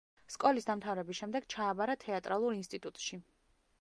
სკოლის დამთავრების შემდეგ ჩააბარა თეატრალურ ინსტიტუტში.